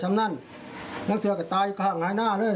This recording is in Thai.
ถ้ะกนิดหนึ่งนอกตัวกระตายอยู่ข้างหานาเลย